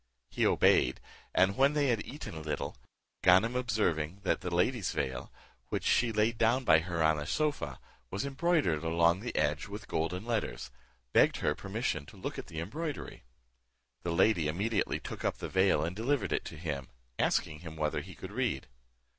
He obeyed; and when they had eaten a little, Ganem observing that the lady's veil, which she laid down by her on a sofa, was embroidered along the edge with golden letters, begged her permission to look on the embroidery. The lady immediately took up the veil, and delivered it to him, asking him whether he could read?